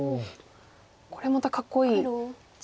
これまたかっこいい。